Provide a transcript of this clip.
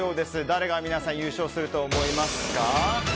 誰が優勝すると思いますかと。